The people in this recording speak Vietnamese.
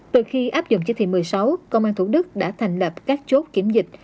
từ khi áp dụng chỉ thị một mươi sáu công an thủ đức đã thành lập các chốt kiểm dịch